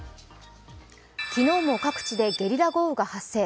昨日も各地でゲリラ豪雨が発生。